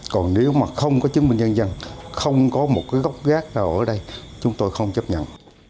còn nếu mà không có chứng minh dân dân không có một gốc gác ở đây chúng tôi không chấp nhận